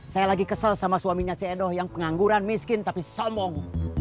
saya lagi kesel sama suaminya c edho yang pengangguran miskin tapi sombong